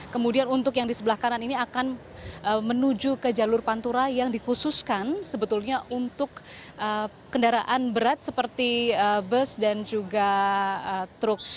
kemudian untuk yang di sebelah kanan ini akan menuju ke jalur pantura yang dikhususkan sebetulnya untuk kendaraan berat seperti bus dan juga truk